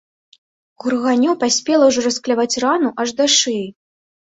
Груганнё паспела ўжо раскляваць рану аж да шыі.